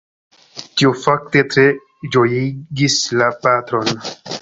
Tio fakte tre ĝojigis la patron.